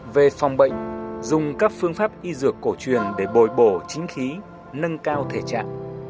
về phòng bệnh dùng các phương pháp y dược cổ truyền để bồi bổ chính khí nâng cao thể trạng